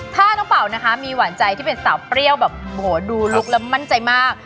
ถ้าน้องเป่านะคะมีหวานใจที่เป็นสาวเปรี้ยวแบบโหดูลุกแล้วมั่นใจมาก